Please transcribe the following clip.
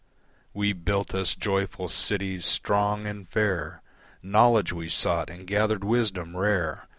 We built us joyful cities, strong and fair, Knowledge we sought and gathered wisdom rare.